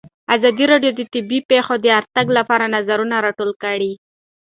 ازادي راډیو د طبیعي پېښې د ارتقا لپاره نظرونه راټول کړي.